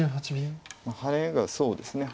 ハネがそうですね。